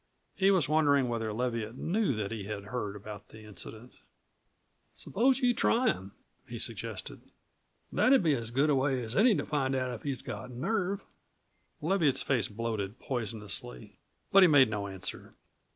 He was wondering whether Leviatt knew that he had heard about the incident. "Suppose you try him?" he suggested. "That'd be as good a way as any to find out if he's got nerve." Leviatt's face bloated poisonously, but he made no answer.